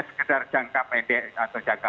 sekedar jangka pendek atau jangka